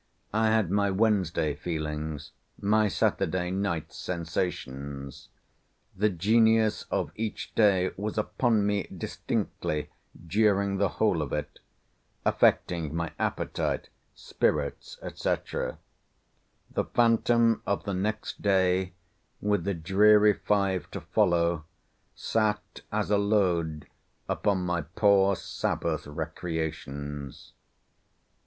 I had my Wednesday feelings, my Saturday nights' sensations. The genius of each day was upon me distinctly during the whole of it, affecting my appetite, spirits, &c. The phantom of the next day, with the dreary five to follow, sate as a load upon my poor Sabbath recreations.